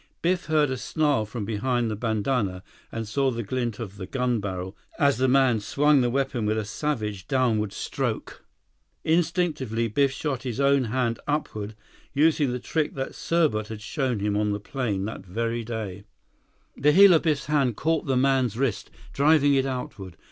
Biff heard a snarl from behind the bandanna, and saw the glint of the gun barrel as the man swung the weapon with a savage, downward stroke. Instinctively, Biff shot his own hand upward, using the trick that Serbot had shown him on the plane that very day. The heel of Biff's hand caught the man's wrist, driving it outward.